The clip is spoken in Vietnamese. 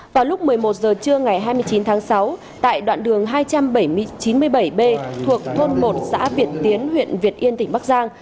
vào lúc một mươi một h trưa ngày hai mươi chín tháng sáu tại đoạn đường hai nghìn bảy trăm chín mươi bảy b thuộc thôn một xã việt tiến huyện việt yên tỉnh bắc giang